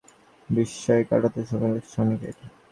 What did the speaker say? বিস্ময় কাটাতে সময় লাগছে অনেকের।